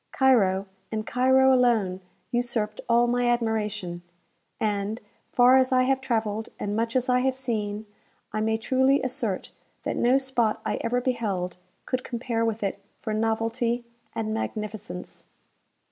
Cairo, and Cairo alone, usurped all my admiration, and, far as I have travelled, and much as I have seen, I may truly assert that no spot I ever beheld could compare with it for novelty and magnificence.